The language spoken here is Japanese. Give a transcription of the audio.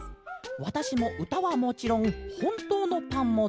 わたしもうたはもちろんほんとうのパンもだいすきです。